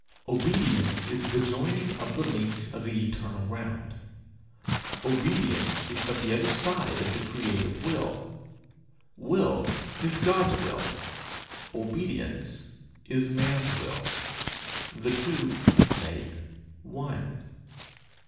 Obedience is the joining of the links of the eternal round. Obedience is but the other side of the creative will. Will is God's will, obedience is man's will; the two make one.